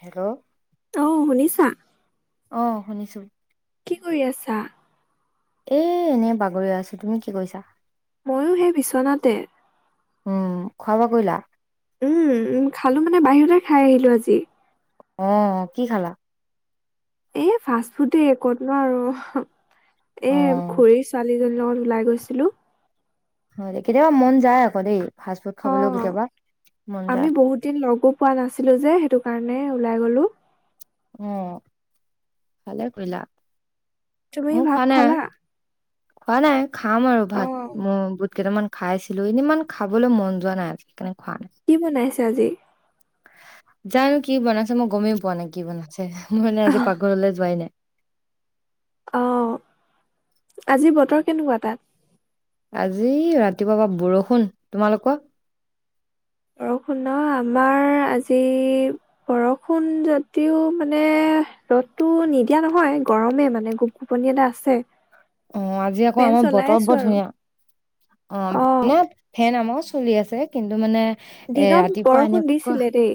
Hello. অ' শুনিছা? অ' শুনিছো। কি কৰি আছা? এ এনেই বাগৰি আছো, তুমি কি কৰিছা? ময়ো সেই বিচনাতে। উম, খোৱা বোৱা কৰিলা? উম, উম খালো মানে বাহিৰতে খাই আহিলো আজি। অ' কি খালা? এ ফাষ্ট ফুডেই, ক'তনো আৰু এ অ', খুৰী ছোৱালীৰ জনী লগত ওলাই গৈছিলো। হয় দে, কেতিয়াবা মন যায় আকৌ দেই। ফাষ্ট ফুড খাবলৈও অ', কেতিয়াবা মন আমি যায় বহুত দিন লগো পোৱা নাছিলো যে, সেইটো কাৰণ নে ওলাই গ'লো। অ', ভালে কৰিলা। তুমি মোৰ ভাত খোৱা নাই খালা? খোৱা নাই। খাম আৰু অ ভাত মও বুট কেইটামান খাইছিলো এনে ইমান খাবলৈ মন যোৱা নাই, সেইকাৰণে খোৱা নাই। কি বনাইছে আজি? জানো কি বনাইছে? মই গমেই পোৱা নাই কি বনাইছে। মই মানে আজি পাকঘৰলৈ যোৱাই নাই। অ', আজি বতৰ কেনেকুৱা তাত? আজি ৰাতিপুৱা পা বৰষূণ, তোমালোকৰ? বৰষুণ ন, আমাৰ আজি, বৰষুণ যদিও মানে ৰ'দটো নিদিয়া নহয়, গৰমেই মানে গোপ গোপনি এটা আছে। অ' আজি আকৌ ফেন আমাৰ চলাই বতৰ আছো বৰ আৰু ধুনীয়া। অ অ' এই ফেন আমাৰো চলি আছ ছে, কিন্তু মানে এ দিনত ৰাতিপুৱা বৰষুণ এনেকুৱা দিছিলে দেই।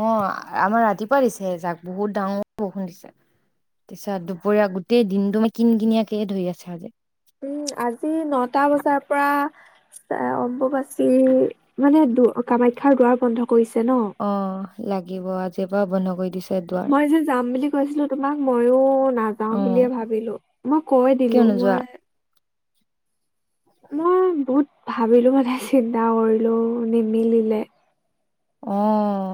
অ', আমাৰ ৰাতিপুৱা দিছে এজাক, বহুত ডাঙৰ বৰষুণ দিছে। তাৰপছত দুপৰীয়া গোটেই দিনটো কিন কিনিয়াকে ধৰি আছে আজি। উম, আজি নটা বজাৰ পৰা এ অম্বুবাচী মানে দু কামাখ্যাৰ দুৱাৰ বন্ধ কৰিছে ন। অ লাগিব, আজিৰ পৰাা বন্ধ কৰি দিছে। দুৱাৰ মই যে যাম বুলি কৈছিলো তোমাক, মইও নাযাওঁ অ বুলিয়ে ভাবিলো। মই কৈ কিয় দিলো, নোযোৱা মই- মই বহুত ভাবিলো মানে চিন্তা কৰিলো, নিমিলিলে। অঁ,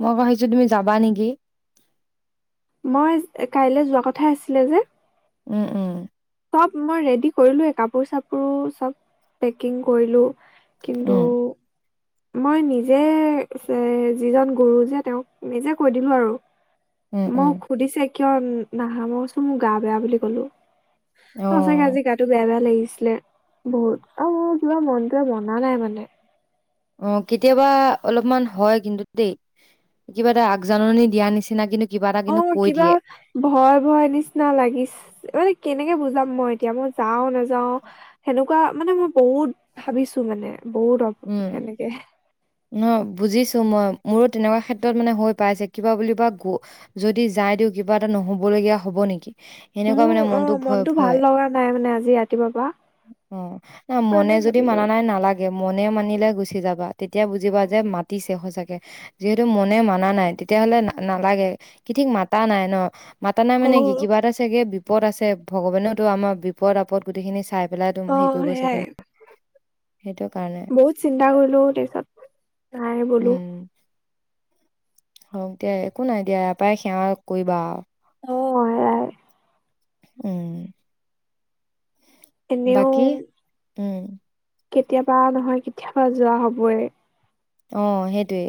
মই ভাবিছো তুমি যাবা নেকি। মই কাইলৈ যোৱা কথাই আছিলে যে। উম-উম। চব মই ৰেডি কৰিলোয়েই, কাপোৰ-চাপোৰো চব পেকিং কৰিলো। কিন্তু উম মই নিজে, যিজন গুৰু যে, তেওঁক নিজে কৈ দিলো উম আৰু- উম মোক সুধিছে। কিয় নাহ, মই কৈছো মোৰ গা বেয়া বুলি কলো। অ চাগে আজি গাটো বেয়া, বেয়া লাগিছে। ছিলে বহুত আৰু মোৰ কিবা মনটোৱে মনা নাই মানে। অ কেতিয়াবা, অলপমান হয় কিন্তু দেই কিবা এটা আগজাননী দিয়া নিচিনা। কিন্তু- কিবা এটা অ কিন্তু কৈ কিবা দিয়ে ভয়, ভয় নিচিনা লাগিছে। মানে কেনেকে বুজাব! মই এতিয়া মই যাও-নাযা যা সেনেকুৱা, এনেকুৱা মানে মই বহুত ভাবিছো মানে। বহুত উম সেনেকে। ন বুজিছো মই মোৰো তেনেকুৱা ক্ষেত্ৰত মানে হৈ পাইছে। কিবা বুলিবা যদি যাই দিওঁ, কিবা এটা নহ'বলগীয়া হ'ব নেকি! সেনেকুৱা মোৰ মানে অ মনতো ভয়, মনটো ভাল ভয় লগা নাই মানে আজি ৰাতিপুৱাৰ পৰা অ' ন মনে কাৰণে যদি ভাবিলো মানা নাই নালাগে। মনে মানিলে গুচি যাবা। তেতিয়া বুজিবা যে মাতিছে সচাঁকে, যিহেতু মনে মাননা নাই, তেতিয়াাহলে না নালাগে, কি ঠিক মাতা নাই ন' মাতা নাই অ মানে কি কিবা এটা চাগে- বিপদ আছে ভগৱানেওতো আমাৰ বিপদ আপদ গোটেইখিনি চাই পেলাই তো অ হেৰি কৰিব চাগে সেয়াই ন! সেইটো। কাৰণে বহুত চিন্তা কৰিলো, তাৰপিছত- নাই বোলো উম' হওক দিয়া একো নাই দিয়া, ইয়াৰ পৰাই সেৱা কৰিবা আও অ এয়াই উম বাকী এনেও- উম' কেতিয়াবা নহয় কেতিয়াবা যোৱা হ'বই। অ সেইটোৱে।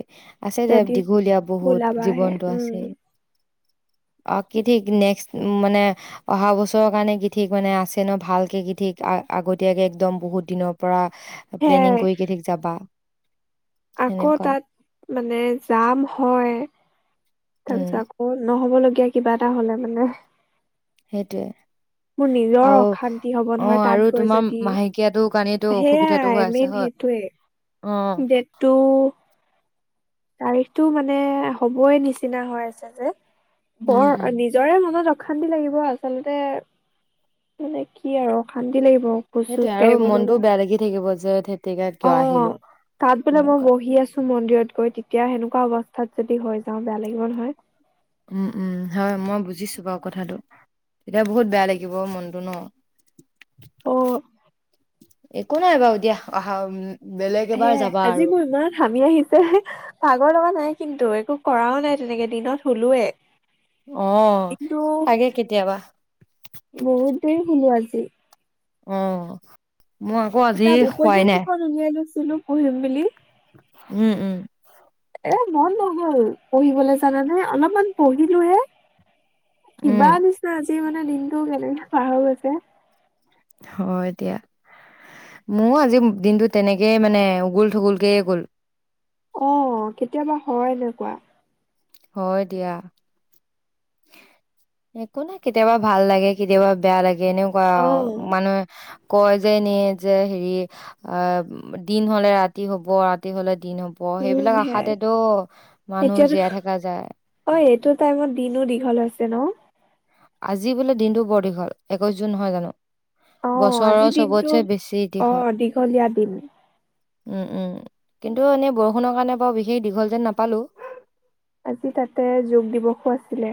আছে দে যদি দীঘলীয়া বহুত ওলাবাহে জীৱনটো উম আছেই। অ কি ঠিক।, নেক্সট মানে অহা বছৰৰ কাৰণে কি ঠিক মানে আছে ন ভালকে কি ঠিক আগতীয়াকে একদম বহুত দিনৰ পৰা সেয়াই প্লেনিং কৰি কি ঠিক যাবা। আকৌ সেনেকুৱা তাত মানে যাম হয়, তাৰ উম, পিছত আকৌ নহবলগীয়া তেতিয়া কিবা এটা হলে মানে সেইটোৱে। মোৰ নিজৰ অশান্তি হব নহয় আৰু তাত গৈ তোমাৰ যদি। মাহেকীয়াটোৰ কাৰণেতো অসুবিধাটো হৈ হেয়াই, আছে মেইন হয় অ'। হেটোৱে। দেটটো তাৰিখটো মানেএ, হ'বই নিচিনা হৈ আছে যে। উম, উম। বৰ নিজৰে মনত অশান্তি লাগিব আচলতেএ, মানে কি আৰু অশান্তি লাগিব খোজ চোজ সেইটোয়ে আৰু কাঢ়িবলৈ বা মনতটোও বেয়া লাগি থাকিব যে। যে ধেত তেৰিকা কিয় আহিলোঁ অ'। তাত বোলে মই সেনেকুৱা। বহি আছো মন্দিৰত গৈ তেতিয়া হেনেকুৱা অৱস্থাত যদি হৈ যাওঁ বেয়া লাগিব নহয়। উম উম, হয়। মই বুজিছো বাৰু কথাটো। তেতিয়া বহুত বেয়া লাগিব মনটো ন। অ একো নাই বাৰু দিয়া। অহা উম বেলেগ এবাৰ হেয়াই। যাবা আজি আৰু মোৰ ইমান হামি আহিছে। ভাগৰ লগা নাই কিন্তু। একো কৰাও নাই তেনেকে, দিনত শোলোয়ে। অ' আগে কেতিয়াবা তে শুলো আজি। অঅঅ। মই আকৌ আজি শোৱাই নাই। ছিলো পঢ়িম বুলি। উম উম। এএ মন নগল পঢ়িবলে জানানে, অলপমান পঢ়িলো হে উম, কিবাআ নিচিনা আছিল দিনটো কেনেকে পাৰ হৈ গৈছে। হয় এতিয়া। মোও আজি দিনটো তেনেকেই মানে উগুল-থুগুলকেএ গ'ল। অ' কেতিয়াবা হয় এনেকুৱা। হয় দিয়া। একো নাই। কেতিয়াবা ভাল লাগে কেতিয়াবা বেয়া লাগে। এনেকুৱা অ আও মানুহে কয় যে নিয়ে যে হেৰি অঅ দিন হলে ৰাতি হ'ব, ৰাতি হলে দিন হ'ব। উম সেইবিলাক সেয়াই আশাতেটো মানুহ এতিয়াতো জীয়াই থাকা যায়। অ এইটো টাইমত দিনো দীঘল হৈছে নঅ। আজি বোলে দিনটো বৰ দীঘল। একৈশ জুন নহয় জানো? অ, বছৰৰ আজিৰ দিনটো চবতছে বেছি দীঘল অ দীঘলীয়া দিন। উম উম কিন্তু এনে বৰষুণৰ কাৰণে বাৰু বিশেষ দীঘল যেন নাপালো। আজি তাতে যোগ দিৱসো আছিলে।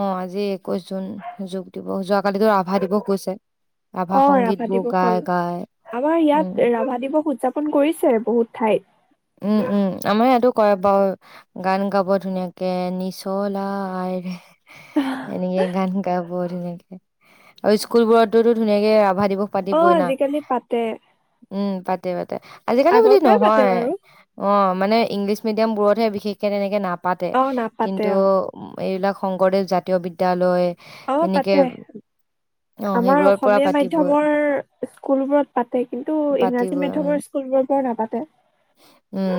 অ আজি একৈশ জুন যোগ দিৱস যোৱাকালিতো আভা দিৱস গৈছে। অ ৰাভা সংগীতবোৰ দিৱস হল গাই গাই আমাৰ উম ইয়াত ৰাভা দিৱস উদযাপন কৰিছে বহুত। ঠাইত উম উম আমাৰ ইয়াতো কৰে বাৰু গান গাব ধুনীয়াকে নিচলা আইৰে। এনেকে গান গা ধন আৰু স্কুল বোৰতোতো ধুনীয়াকে অভা দিৱস অ পাতিবই না আজিকালি পাতে উম পাতে পাতে আজিকালি আগৰ বুলি পৰাই পাতে নহয় বাৰু অ মানে ইংলিছ মিডিয়াম বোৰতহে বিশেষকে তেনেকে নাপ পাতে অ নাপাতে কিন্তু অ এইবিলাক শংকৰদেৱ জাতীয় বিদ্যালয় অ এনেকে পাতে অ', আমাৰ সেইবোৰৰ পৰা অসমীয়া পাতিবই মাধ্্যমৰ স্কুলবোৰত পাতে কিন্তু ইংৰাজী পাতিবই উম, মাধ্্যমৰ স্কুলবোৰ বৰ নাপাতে ত উম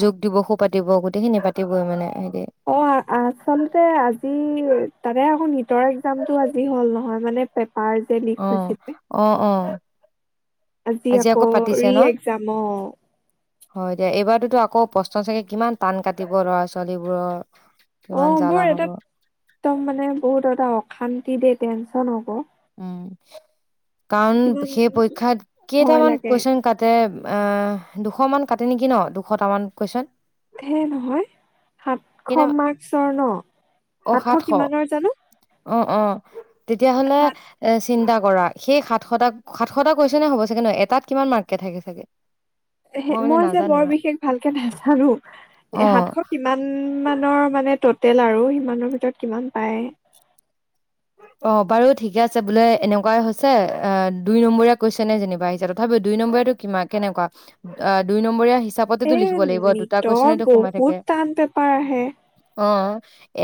যোগ দিৱসো পাতিব গোটেইখিনি পাতিবই মানে অ আচলতে আজি তাতে আকৌ নটৰ এক্জামতটো আজি হ'ল নহয় মানে যে লিক অ হৈছিলে অ উম আজি আকৌ ৰি ন? একজাম অ হয় দিয়া এইবাৰোতো আকৌ প্ৰশ্ন চাগে কিমান টান কাটিব ল'ৰা ছোৱালীবোৰৰ অ কিমান জ্বালা মোৰ হ'ব এটা একদম মানে বহুত এটা হওক শান্তি দে টেনচন হ'ব উম কাৰণ কিমান সেই পৰীক্ষাত ভয় কেইটামান লাগে কুৱেশচন কাটে অ দুশ মান কাটে নেকি ন দুশটামান কৈচোন হে নহয় কেইটা সাতশ মাৰ্কচৰ ন সাতশ কিমানৰ জানো অ অ তেতিয়াহ'লে সাত এ চিন্তা কৰা সেই সাতশ সাতশটা কৈছনে হ'ব চাগে ন এটাত কিমান মাৰ্কে থাকে চাগে মানে মই যে নাজানো বৰ ইমান বিশেষ ভালকে নাজানো অ এ সাতশ কিমান মান মানে টেল আৰু সিমানৰ ভিতৰত কিমান পায় অ বাৰু ঠিকে আছে বোলে এনেকুৱাই হৈছে অ দুই নম্বৰীয়া কৈছে নে যেনিবা আহিছে তথাপি দুই নম্বৰটো কিমান কেনেকুৱা অ দুই নম্বৰ আহিছে এ নিতৰ থাকে বহুত টান পেপাৰ আহে অ',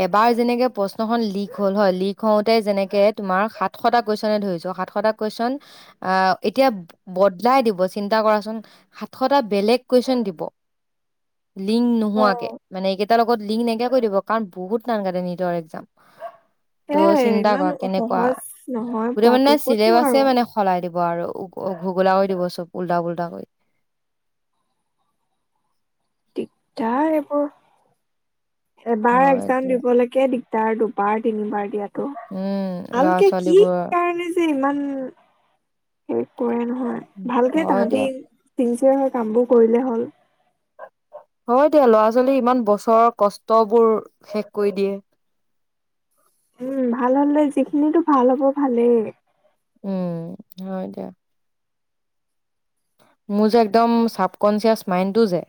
এবাৰ যেনেকে, প্ৰশ্নখন লিক হ'ল হয়, লিক যেনেকে তুমাৰ, সাতশ, কেশনেই ধৰিছোঁ, সাত কেশন, বদলাই দিব চিন্তা কৰাচোন সাতশটা বেলেগ কেশন দিব, লিংক অ নোহোৱাকে, মানে এইাৰ লগত লিংক নাইকিয়া কৰি দিব। কাৰণ বহুত টান কাতে নিতৰ এক্সম। এ ত' চিন্তা ইমান কৰা, কেনেকুৱা সহজ নহয় গোটেই পোৱাতো মানে ক'তনো আৰু চিলেবাছে মানে সলাই দিব আৰু। অগোলা কৰি দিব, চব উল্টা, পল্টা কৰি। দিগদাৰ এবোৰ। এবাৰ হয় একজাম দিয়া, দিবলৈকে দিক- তাৰ দুবাৰ, তিনিবাৰ- এতিয়টো, উম, ল'ৰা ভালকে কি ছোৱালীবোৰৰ কাৰণে, যে ইমান উম, কি কৰি হয়, ভালকে হয় তাহতি দিয়া। তি তে, হয়, কামবোৰ কৰিলেই হ'ল। হয়, দিয়া লৰা, ছোৱালী ইমান বছৰৰ কষ্ট বোৰ, শেষ কৰি দিয়ে। উম, ভাল, হলে যিখিনিতো ভাল হ'ব ভালেই। উম, হয় দিয়। মোৰ, যে একদম চাবকনচিয়াচ মাইণ্ডটো যে,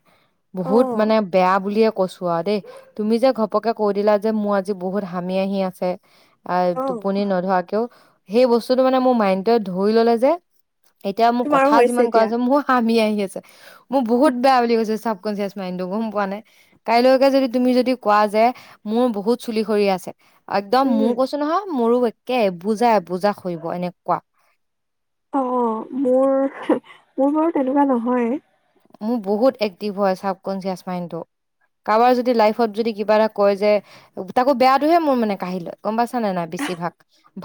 অ বহুত মানে, বেয়া বুলিয়ে কৈছো, আৰু দেই তুমি যে ঘপকে কে দিলা যে, মোৰ আজি বহুত হামি আহি আছে, অ টোপনি নধৰাকেও, সেই বস্তুটো মানে মোৰ মাইণ্ডটোৱে ধৰি ললে যে এতিয়া, মোৰ তোমাৰো কথা হৈছে যিমান। এতিয়া চোৱাচোন, মোৰ হামি আহি আছে, মোৰ বহুত বেয়া বুলি কৈছো চাব কঞ্চিয়াছ মাইণ্ডটো, গম পোৱা নে, কাইলৈকে, যদি তুমি যদি কোৱা যে, মোৰ বহুত চুলি সৰি আছে। একদম, উম মোৰ কৈছো নহয়, মোৰো বা একে, বুজাই, বুজা খৰিব এনেকুৱা। অ, মোৰ, মোৰ বাৰু তেনেকুৱা নহয়। মোৰ বহুত এক্টিভ হয় চাবকনচিয়াচ মাইডটো। কাৰোবাৰ যদি লাইফত, যদি কিবা এটা কয়, যে তাকো বেয়াটোহে, মোৰ মানে কাঢ়ি লয়। গম পাইছানে নাই বেছিভাগ,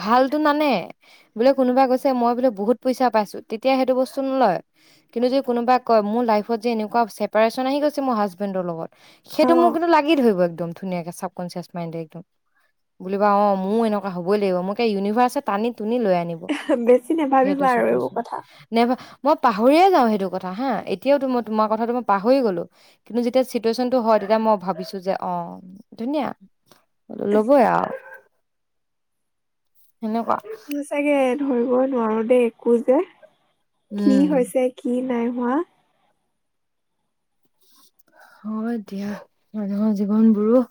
ভালতো নানে, বোলে কোনোবাই কৈছে মই বোলে, বহুত পইচা পাইছো, তেতিয়া সেইটো বস্তু নলয়। কিন্তু যদি কোনোবাই কৈ, মোৰ লাইফত যে এনেকুৱা ছেপাৰেচন আহি গৈছে, মোৰ হাজবেণ্ডৰ লগত অ সেইটো, মোৰ কিন্তু লাগি ধৰিব, এক একদম, ধুনীয়াকে চাবকনচিয়াছ মাইডে এটো, একদম বুলা অ, মোৰ এনেকুৱা হবই লাগিব, মোক ইউনিভাৰ্চ টানি টুনি, লৈ আনিব বেছি সেইটো নাভাবিবা আৰু এইবোৰ চিটুৱেচন, কথা নাইবা মই পাহৰিয় যাওঁ, সেইটো কথা হা, এতিয়াও টো, মই তোমাৰ কথাটো মই পাহৰি গ'লো। কিন্তু যেতিয়া চিটুৱেশচনটো হয়, তেতিয়া মই ভাবিছো যে, অ, ধুনীয়া ল'বই আৰু। সনেকুৱা। সঁচাকে ধৰিবই নোৱাৰো, দেই একো যে কি উম হৈছে, কি নাই। হোৱা হয়, দিয়া মানুহৰ জীৱন বোৰো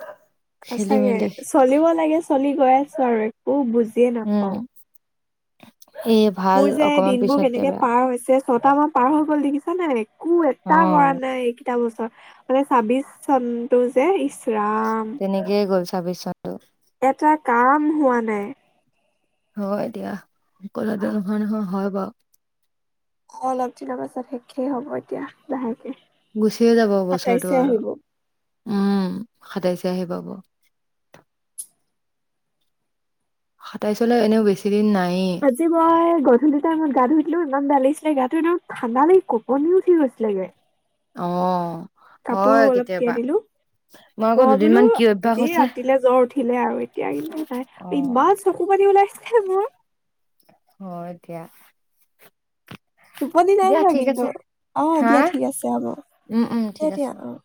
খেলি সচাগে, মেলি চলিব লাগে, চলি গৈ আছো, আৰু একো বুজিয়ে উম নাপাও। [inaudible] ভাল মোৰ যে অকমান দিনবোৰ পিছতকে কেনেকে বেয়া পাৰ হৈছে। ছট মান পাৰ হৈ গল দেছা নে, একো অ এটা কৰা নাই। টা বছৰ মানে ছাব্বিশ চনতটো যে, ৰাম তেনেকে গ'লছ চাবে চত এটা কাম হোৱা নাই। হয় এ দিয়া অকললেতে নহয় নহয় হয় বাৰু অ অলপ দিনৰ পাছত শেষেই হ'ব এতিয়া লাহে গুচিয়ে যাব বছৰটো আৰু উম সদাই চ আহি পাব। সাতাইছলৈ এনেও বেছি দিন নাই। আজি মই গধূলি টাইমত গা ধুইলো ইমান ডালিছ। ে গাতটো একদম ঠাণ্ডা লাগি কপনিও উঠি গৈছিলেগে। অ! হয় কাপোৰো অলপ কেতিয়াবা, তিয়াই দিলো আকৌ মই বোলো দুদিনমান কি অভ্যাস আজি হৈছে। ৰাতিলে জ্বৰ উঠিলে আৰু এতিয়া কিন্তু নাই অ'। ইমান চকু পানী ওলাই। [unintelligible] অ দয়া টোপনি নাই ধৰা কিন্তু, আছে, অ' হা? দিয়া ঠিক আছে হ'ব উম, উম, ঠিক দিয়া- দিয়া আছে। অ'।